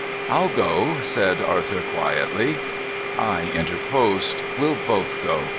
"I'll go," said Arthur quietly. I interposed. "We'll both go.